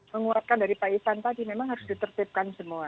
menguatkan dari pak isan tadi memang harus ditertipkan semua